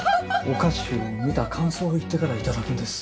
お菓子を見た感想を言ってからいただくんです。